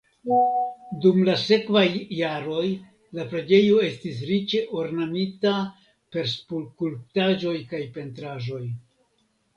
Dum la sekvaj jaroj la preĝejo estis riĉe ornamita per skulptaĵoj kaj pentraĵoj.